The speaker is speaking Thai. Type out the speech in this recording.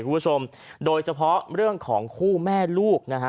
คุณผู้ชมโดยเฉพาะเรื่องของคู่แม่ลูกนะฮะ